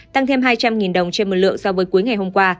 tăng thêm hai trăm linh đồng trên một lượng